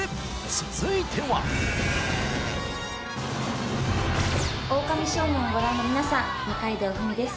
続いては「オオカミ少年」をご覧のみなさん二階堂ふみです